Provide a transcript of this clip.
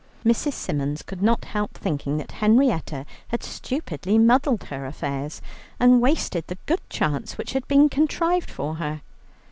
Mrs. Symons could not help thinking that Henrietta had stupidly muddled her affairs, and wasted the good chance which had been contrived for her.